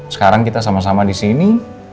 sekarang kita sama sama disini